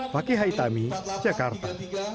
fakih haitami jakarta